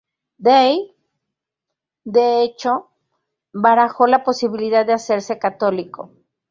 Dey, de hecho, barajó la posibilidad de hacerse católico.